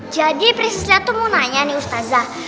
jadi priscilia tuh mau nanya nih ustazah